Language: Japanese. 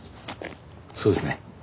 そうですね。